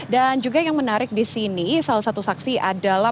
dan juga yang menarik di sini salah satu saksi adalah